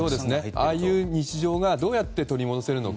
ああいう日常をどうやって取り戻せるのか。